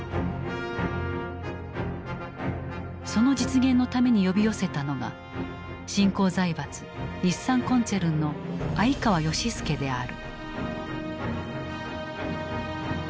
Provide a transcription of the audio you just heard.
その実現のために呼び寄せたのが新興財閥日産コンツェルンの鮎川義介である。